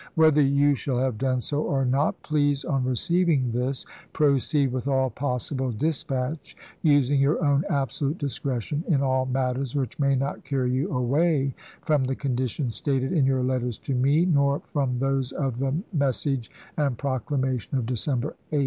Whether you shall have done so or not, please, on receiving this, proceed with all possible dis patch using your own absolute discretion in all matters which may not carry you away from the conditions stated in your letters, to me nor from those of the Mes sage and Proclamation of December 8.